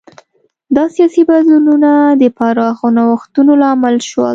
دا سیاسي بدلونونه د پراخو نوښتونو لامل شول.